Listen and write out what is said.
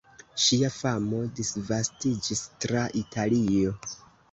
Ŝia famo disvastiĝis tra Italio.